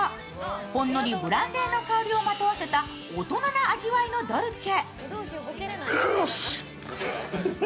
ほんのりブランデーの香りをまとわせた大人な味わいのドルチェ。